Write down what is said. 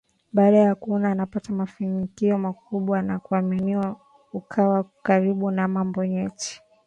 Baada ya kuona anapata mafanikio makubwa na kuaminiwa akawa karibu na mambo nyeti